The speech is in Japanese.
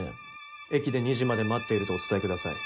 駅で２時まで待っているとお伝えください